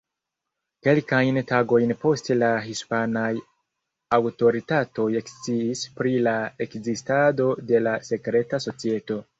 Kelkajn tagojn poste la hispanaj aŭtoritatoj eksciis pri la ekzistado de la sekreta societo.